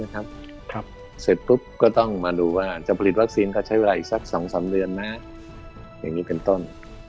แล้วใช้เวลาอีกสัก๒๓เดือนนะอย่างนี้เป็นต้น